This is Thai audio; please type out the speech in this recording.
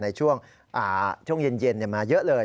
ในช่วงเย็นมาเยอะเลย